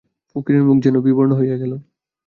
ফকিরের মুখ যেন বিবর্ণ হইয়া গেল।